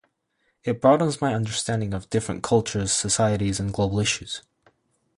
It broadens my understanding of different cultures, societies, and global issues.